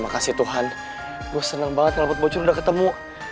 kena bot bocor ketemu